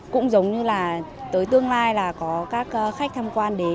cũng giống như là tới tương lai là có các khách tham quan đến